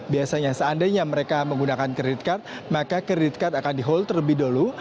biasanya seandainya mereka menggunakan kredit card maka kredit card akan di hold terlebih dahulu